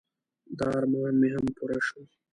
د ارمان مې هم پوره شو.